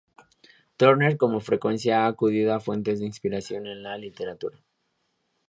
Torner con frecuencia ha acudido a fuentes de inspiración en la literatura.